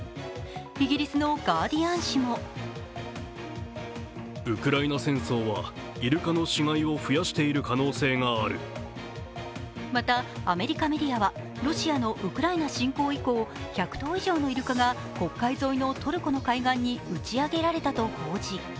イギリスの「ガーディアン」紙もまた、アメリカメディアはロシアのウクライナ侵攻以降、１００頭以上のイルカが黒海沿いのトルコの海岸に打ち上げられたと報じ